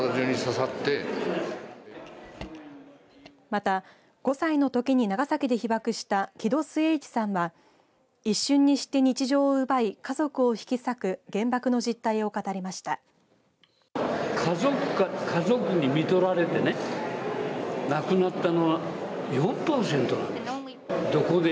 また５歳のときに長崎で被爆した木戸季市さんは一瞬にして日常を奪い家族を引き裂く原爆の実態を語りました。